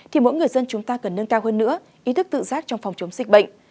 thì mỗi người dân chúng ta cần nâng cao hơn nữa ý thức tự giác trong phòng chống dịch bệnh